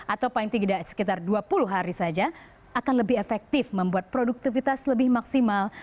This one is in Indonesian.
atau paling tidak sekitar dua puluh hari saja akan lebih efektif membuat produktivitas lebih maksimal